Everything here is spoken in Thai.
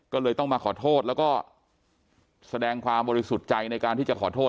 ก็เลยต้องมาขอโทษแล้วก็แสดงความบริสุทธิ์ใจในการที่จะขอโทษ